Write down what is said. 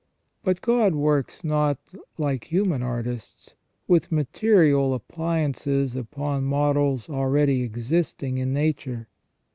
But God works not, like human artists, with material appliances upon models already existing in nature.